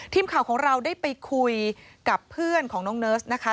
ทีมข่าวของเราได้ไปคุยกับเพื่อนของน้องเนิร์สนะคะ